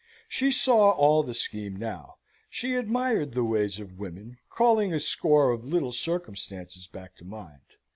She saw all the scheme now; she admired the ways of women, calling a score of little circumstances back to mind.